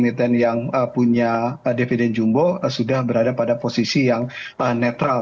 tentu tadi bahwa harga harga emiten imiten yang punya dividen jumbo sudah berada pada posisi yang netral